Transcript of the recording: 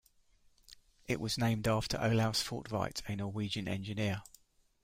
It was named after Olaus Thortveit, a Norwegian engineer.